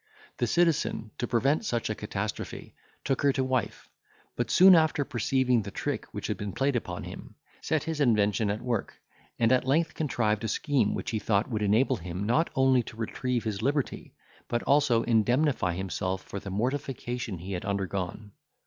The citizen, to prevent such a catastrophe, took her to wife; but soon after perceiving the trick which had been played upon him, set his invention at work, and at length contrived a scheme which he thought would enable him, not only to retrieve his liberty, but also indemnify himself for the mortification he had undergone.